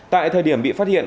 tại thời điểm bị phát hiện